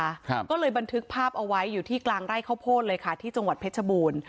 ครับก็เลยบันทึกภาพเอาไว้อยู่ที่กลางไร่ข้าวโพดเลยค่ะที่จังหวัดเพชรบูรณ์